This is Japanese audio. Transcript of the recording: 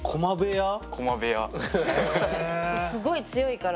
そうすごい強いから。